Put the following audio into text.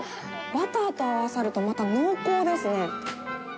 バターと合わさるとまた濃厚ですね。